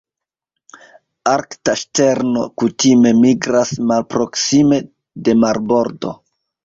Arkta ŝterno kutime migras malproksime de marbordo.